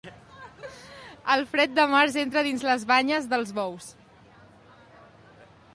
El fred de març entra dins les banyes dels bous.